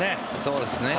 そうですね。